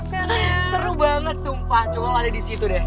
seru banget sumpah coba lo ada disitu deh